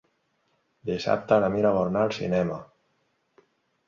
Dissabte na Mira vol anar al cinema.